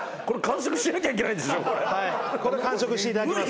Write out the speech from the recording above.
はい完食していただきます。